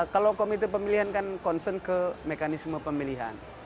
kalau komite pemilihan kan concern ke mekanisme pemilihan